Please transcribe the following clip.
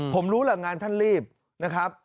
ผมรู้แหละงานท่านรีบนะครับ